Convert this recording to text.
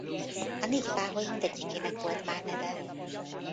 A négy páholy mindegyikének volt már neve.